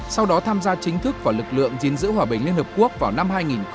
sau đó tham gia chính thức vào lực lượng dính giữ hòa bình liên hợp quốc vào năm hai nghìn một mươi bốn